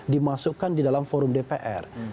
dimasukkan di dalam forum dpr